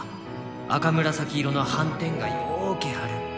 赤紫色の斑点がようけある。